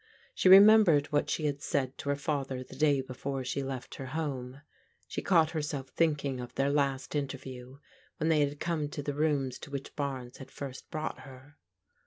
She remembered what she had said to her father the day before she left her home. She caught herself thinking of their last interview, when they had come to the rooms to which Barnes had first brought her.